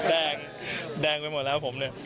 แดงแดงไปหมดแล้วผมเนี่ย